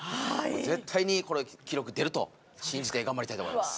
絶対に記録出ると、信じて頑張りたいと思います。